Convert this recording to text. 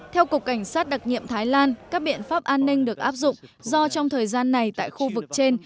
theo cục cảnh sát đặc nhiệm thái lan các biện pháp an ninh được áp dụng do trong thời gian này tại khu vực trên